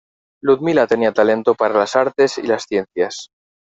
Ludmila tenía talento para las artes y las ciencias.